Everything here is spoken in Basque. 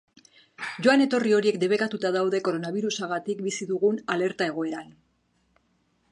Joan-etorri horiek debekatuta daude koronabirusagatik bizi dugun alerta egoeran.